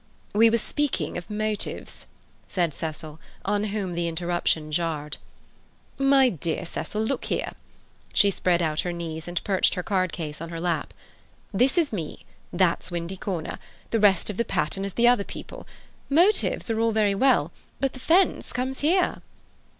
"We were speaking of motives," said Cecil, on whom the interruption jarred. "My dear Cecil, look here." She spread out her knees and perched her card case on her lap. "This is me. That's Windy Corner. The rest of the pattern is the other people. Motives are all very well, but the fence comes here."